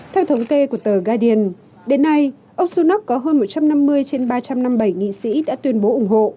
theo thống kê của tờ guadian đến nay ông sunak có hơn một trăm năm mươi trên ba trăm năm mươi bảy nghị sĩ đã tuyên bố ủng hộ